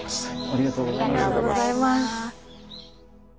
ありがとうございます。